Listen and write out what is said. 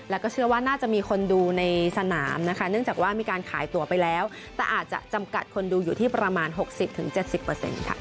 แล้วก็เชื่อว่าน่าจะมีคนดูในสนามนะคะเนื่องจากว่ามีการขายตัวไปแล้วแต่อาจจะจำกัดคนดูอยู่ที่ประมาณ๖๐๗๐ค่ะ